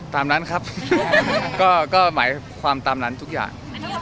ตามนั้นครับก็หมายความตามนั้นทุกอย่าง